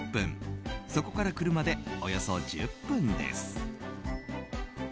そこから車でおよそ１０分です。